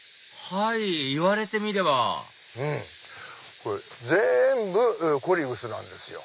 はい言われてみればこれ全部コリウスなんですよ。